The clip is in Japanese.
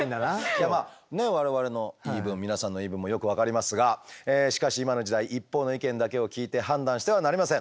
いやまあ我々の言い分皆さんの言い分もよく分かりますがしかし今の時代一方の意見だけを聞いて判断してはなりません。